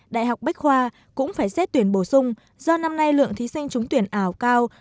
đại học bách khoa cũng phải xét tuyển bổ sung do năm nay lượng thí sinh trúng tuyển ảo cao